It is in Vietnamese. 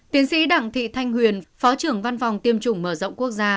tiến sĩ đặng thị thanh huyền phó trưởng văn phòng tiêm chủng mở rộng quốc gia